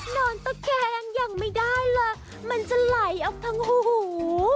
นอนตะแคงยังไม่ได้เลยมันจะไหลออกทั้งหู